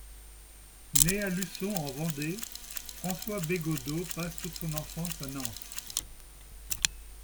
Né à Luçon en Vendée, François Bégaudeau passe toute son enfance à Nantes.